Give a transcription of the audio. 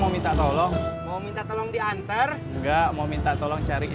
mau bareng gak